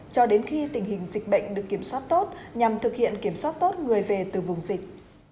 cho đến khi tình hình dịch bệnh được kiểm soát tốt nhằm thực hiện kiểm soát tốt người về từ vùng dịch